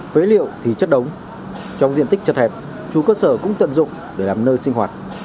phế liệu thì chất đống trong diện tích chật hẹp chủ cơ sở cũng tận dụng để làm nơi sinh hoạt